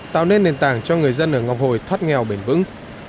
tạo nên nền tảng cho người dân ở ngọc hồi thoát nghèo bền vững